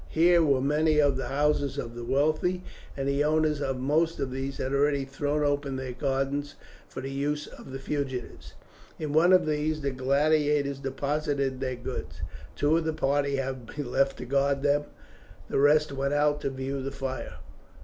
Here were many of the houses of the wealthy, and the owners of most of these had already thrown open their gardens for the use of the fugitives. In one of these the gladiators deposited their goods. Two of the party having been left to guard them the rest went out to view the fire.